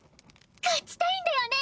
勝ちたいんだよね？